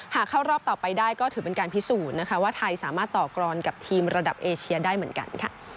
เข้ารอบต่อไปได้ก็ถือเป็นการพิสูจน์นะคะว่าไทยสามารถต่อกรอนกับทีมระดับเอเชียได้เหมือนกันค่ะ